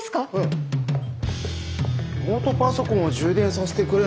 ノートパソコンを充電させてくれないかって。